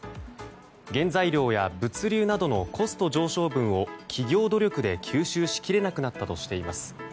原材料や物流などのコスト上昇分を企業努力で吸収しきれなくなったとしています。